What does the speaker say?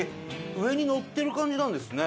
上にのってる感じなんですね。